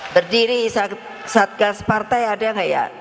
berdiri satgas partai ada nggak ya